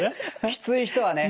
きつい人はね